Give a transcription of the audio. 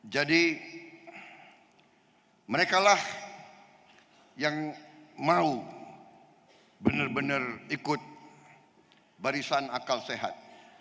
jadi mereka lah yang mau benar benar ikut barisan akal sehat